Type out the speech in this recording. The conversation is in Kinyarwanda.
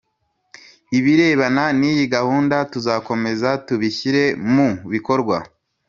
Ibirebana niyi gahunda tuzakomeza tubishyire mu bikorwa